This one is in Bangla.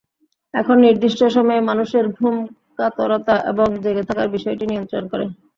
এটি নির্দিষ্ট সময়ে মানুষের ঘুমকাতরতা এবং জেগে থাকার বিষয়টি নিয়ন্ত্রণ করে।